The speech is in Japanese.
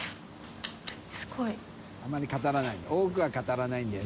あまり語らないんだよ。